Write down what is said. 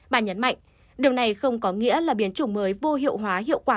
bà nhấn mạnh điều này không có nghĩa là biến chủng mới vô hiệu hóa hiệu quả